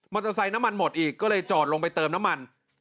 เตอร์ไซค์น้ำมันหมดอีกก็เลยจอดลงไปเติมน้ำมัน